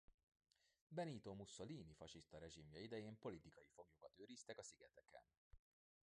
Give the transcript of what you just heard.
Benito Mussolini fasiszta rezsimje idején politikai foglyokat őriztek a szigeteken.